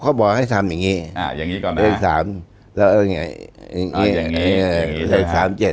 เขาบอกให้ทำอย่างนี้เลข๓แล้วเอาอย่างไรอย่างนี้